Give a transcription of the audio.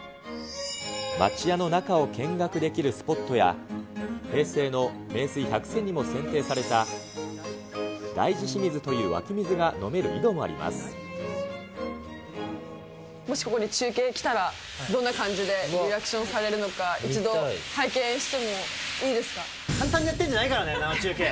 町家の中を見学できるスポットや、平成の名水百選にも選定された大慈清水という湧き水が飲める井戸もし、ここで中継来たら、どんな感じでリアクションされるのか、一度、簡単にやってるんじゃないからね、生中継。